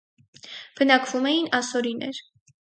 Բնակվում էին ասորիներ։